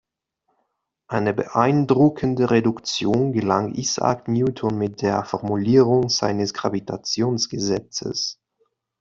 Eine beeindruckende Reduktion gelang Isaac Newton mit der Formulierung seines Gravitationsgesetzes.